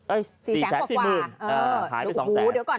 เอ้ยสี่แสนกว่าสี่หมื่นเอ่อหายไปสองแสนโอ้โหเดี๋ยวก่อน